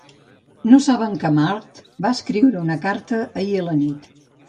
No saben que Marthe va escriure una carta ahir a la nit.